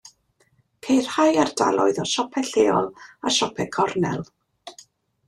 Ceir rhai ardaloedd o siopau lleol a siopau cornel.